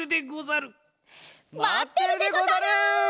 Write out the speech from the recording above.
まってるでござる！